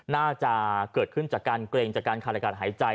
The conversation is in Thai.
น่าจะเกิดขึ้นจากการเกรงจากการขาดอากาศหายใจ